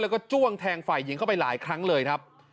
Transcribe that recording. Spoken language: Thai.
แล้วก็จ้วงแทงฝ่ายหญิงเข้าไปหลายครั้งเลยครับ